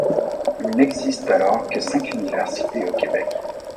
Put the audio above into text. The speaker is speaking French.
Il n'existe alors que cinq universités au Québec.